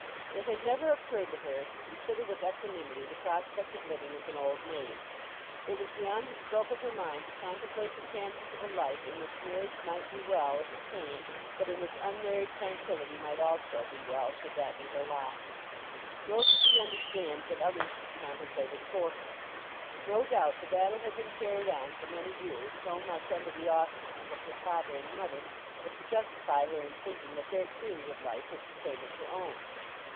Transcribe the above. It had never occurred to her to consider with equanimity the prospect of living as an old maid. It was beyond the scope of her mind to contemplate the chances of a life in which marriage might be well if it came, but in which unmarried tranquillity might also be well should that be her lot. Nor could she understand that others should contemplate it for her. No doubt the battle had been carried on for many years so much under the auspices of her father and mother as to justify her in thinking that their theory of life was the same as her own.